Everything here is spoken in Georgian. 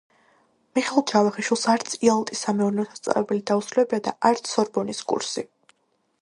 მიხეილ ჯავახიშვილს არც იალტის სამეურნეო სასწავლებელი დაუსრულებია და არც სორბონის კურსი.